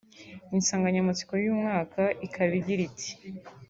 Insanganyamatsiko y’uyu mwaka ikaba igira iti